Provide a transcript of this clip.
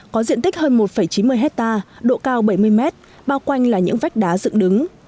có diện tích hơn một chín mươi hectare độ cao bảy mươi mét bao quanh là những vách đá dựng đứng